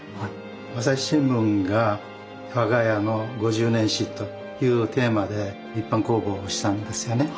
朝日新聞が「わが家の五十年史」というテーマで一般公募をしたんですよね。